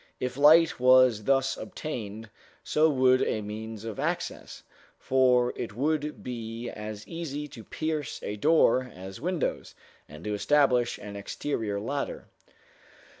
If light was thus obtained, so would a means of access, for it would be as easy to pierce a door as windows, and to establish an exterior ladder.